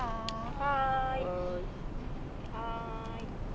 はい。